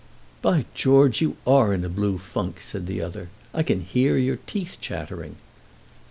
"By George, you are in a blue funk," said the other. "I can hear your teeth chattering."